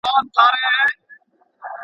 خدایه مکړی که بیمار سم